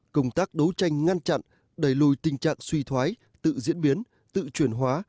công tác đấu tranh ngăn chặn đẩy lùi tình trạng suy thoái tự diễn biến tự chuyển hóa